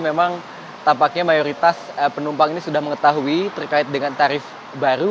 memang tampaknya mayoritas penumpang ini sudah mengetahui terkait dengan tarif baru